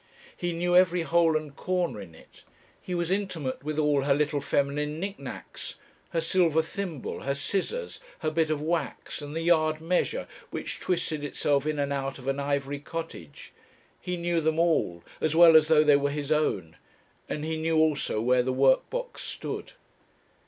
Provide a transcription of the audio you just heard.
He knew every hole and corner in it! he was intimate with all her little feminine nicknacks her silver thimble, her scissors, her bit of wax, and the yard measure, which twisted itself in and out of an ivory cottage he knew them all, as well as though they were his own; and he knew also where the workbox stood.